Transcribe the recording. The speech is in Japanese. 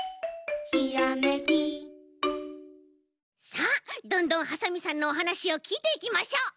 さあどんどんハサミさんのおはなしをきいていきましょう。